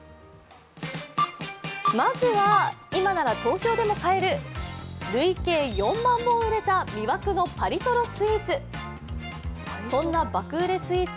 まずは、今なら東京でも買える累計４万本売れた魅惑のパリとろスイーツ。